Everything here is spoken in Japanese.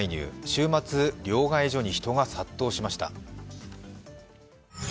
週末、両替所に人が殺到しました。